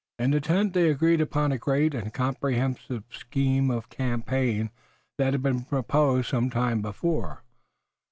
In the tent they agreed upon a great and comprehensive scheme of campaign that had been proposed some time before.